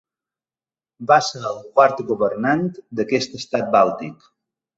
Va ser el quart governant d'aquest estat bàltic.